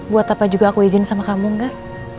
buat apa juga aku izin sama kamu enggak